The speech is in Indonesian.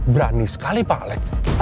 berani sekali pak alex